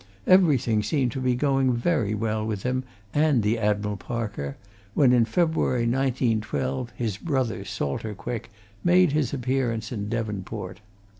Everything seemed to be going very well with him and the Admiral Parker, when, in February, 1912, his brother, Salter Quick, made his appearance in Devonport.